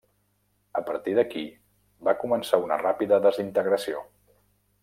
A partir d'aquí va començar una ràpida desintegració.